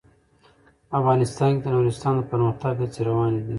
افغانستان کې د نورستان د پرمختګ هڅې روانې دي.